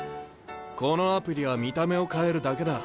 このアプリは見た目を変えるだけだ。